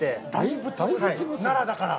奈良だから？